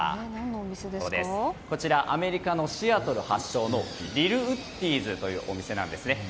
こちらはアメリカのシアトル発祥リルウッディーズというお店。